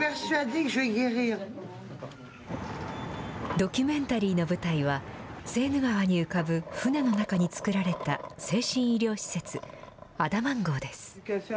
ドキュメンタリーの舞台は、セーヌ川に浮かぶ船の中に作られた精神医療施設、アダマン号です。